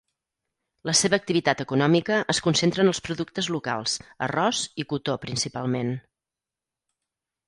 La seva activitat econòmica es concentra en els productes locals, arròs i cotó principalment.